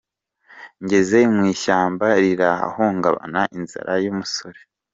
Ngeze mu ishyamba rirahungabana: “Inzara y’umusore”